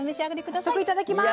早速いただきます。